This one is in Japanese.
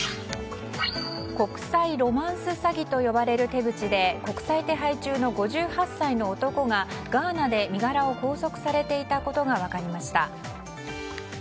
国際ロマンス詐欺と呼ばれる手口で国際手配中の５８歳の男がガーナで身柄を拘束されていたことが分かりました。